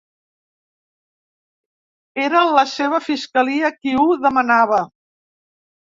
Era la seva fiscalia qui ho demanava.